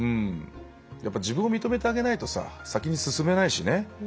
やっぱ自分を認めてあげないとさ先に進めないしね。